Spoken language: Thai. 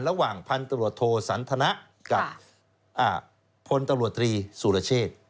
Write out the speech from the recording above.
ระหว่างพันธุรโทสันทนากับพตลสุรเชษฐ์